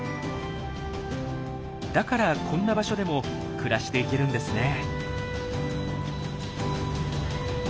だからこんな場所でも暮らしていけるんですね。